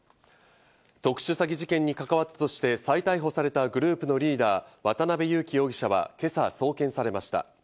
特殊詐欺事件に関わったとして再逮捕されたグループのリーダー・渡辺優樹容疑者は今朝、送検されました。